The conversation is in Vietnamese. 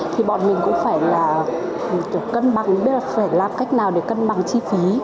thì bọn mình cũng phải là cân bằng biết là phải làm cách nào để cân bằng chi phí